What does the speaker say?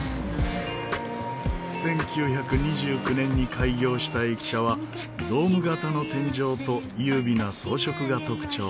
１９２９年に開業した駅舎はドーム形の天井と優美な装飾が特徴。